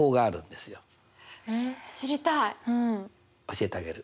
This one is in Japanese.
教えてあげる。